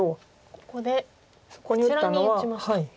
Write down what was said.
ここでこちらに打ちました。